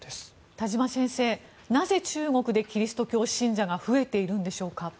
田島先生、なぜ中国でキリスト教信者が増えているんでしょうか。